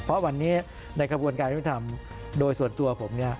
เพราะวันนี้ในกระบวนการวิทยาลัยธรรมโดยส่วนตัวผม